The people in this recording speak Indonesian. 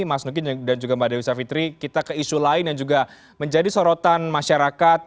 mas nugin dan juga mbak dewi savitri kita ke isu lain yang juga menjadi sorotan masyarakat